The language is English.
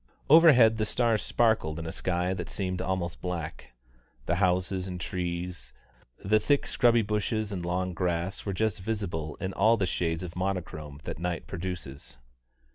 Overhead, the stars sparkled in a sky that seemed almost black. The houses and trees, the thick scrubby bushes and long grass, were just visible in all the shades of monochrome that night produces.